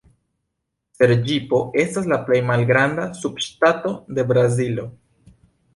Serĝipo estas la plej malgranda subŝtato de Brazilo.